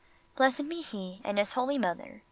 Blessed be He and His holy Mother.